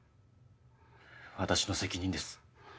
私の責任です。